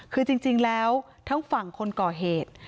คือจริงแล้วทั้งฝั่งคนก่อเหตุ